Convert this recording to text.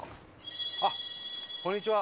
あっこんにちは。